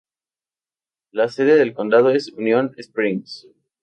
La sede del condado es Union Springs.